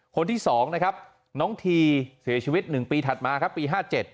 คนที่๒นะครับน้องทีเสียชีวิต๑ปีถัดมาครับปี๕๗